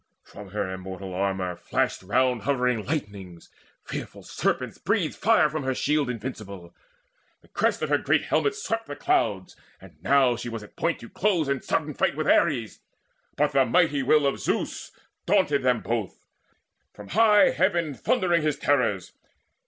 From her immortal armour flashed around The hovering lightnings; fearful serpents breathed Fire from her shield invincible; the crest Of her great helmet swept the clouds. And now She was at point to close in sudden fight With Ares; but the mighty will of Zeus Daunted them both, from high heaven thundering His terrors.